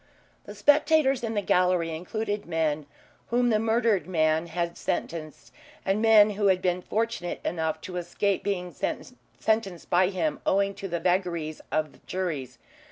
The spectators in the gallery included men whom the murdered man had sentenced and men who had been fortunate enough to escape being sentenced by him owing to the vagaries of juries.